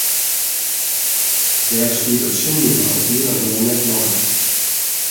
Dêr stiet it sin my no hielendal net nei.